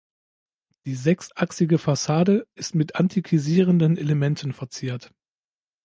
Die sechsachsige Fassade ist mit antikisierenden Elementen verziert.